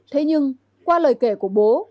thế nhưng qua lời kể của bố